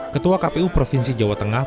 ketua kpu provinsi jawa tengah